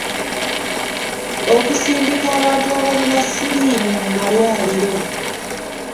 Okusindika abantu abalina siriimu mu malwaliro.